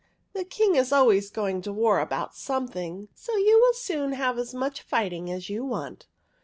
The King is always going to war about something, so you will soon have as much fighting as you want.